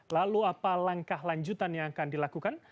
lalu apa langkah lanjutan yang akan dilakukan